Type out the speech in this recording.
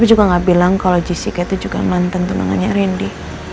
tapi juga gak bilang kalau jessica itu juga mantan temangannya rindy